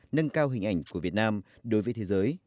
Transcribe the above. nâng cao hình ảnh của việt nam đối với thế giới